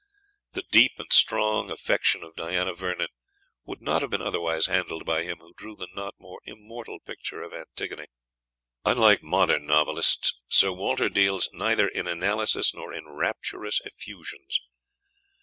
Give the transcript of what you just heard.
The deep and strong affection of Diana Vernon would not have been otherwise handled by him who drew the not more immortal picture of Antigone. Unlike modern novelists, Sir Walter deals neither in analysis nor in rapturous effusions.